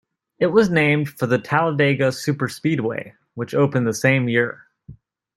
It was named for the Talladega Superspeedway, which opened the same year.